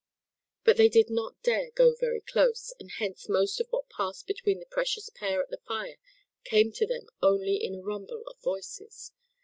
But they did not dare go very close, and hence most of what passed between the precious pair at the fire came to them only in a rumble of voices.